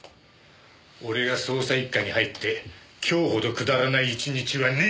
俺が捜査一課に入って今日ほどくだらない１日はねえ！